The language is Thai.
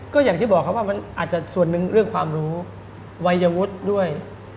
ก็อย่างที่บอกครับว่ามันอาจจะส่วนหนึ่งเรื่องความรู้วัยวุฒิด้วย